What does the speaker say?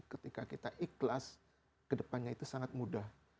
ketika kita ikhlas kedepannya itu sangat mudah